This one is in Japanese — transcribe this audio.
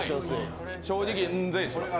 正直うん千円します。